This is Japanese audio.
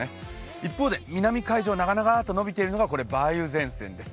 一方で南海上、長々とのびているのが梅雨前線です。